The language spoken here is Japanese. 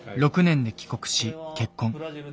６年で帰国し結婚。